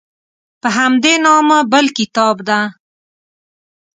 په همدې نامه بل کتاب ده.